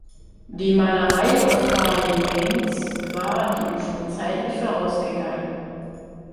Die Malerei auf Fayence war dem schon zeitlich vorausgegangen.